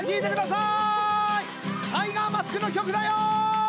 「タイガーマスク」の曲だよ！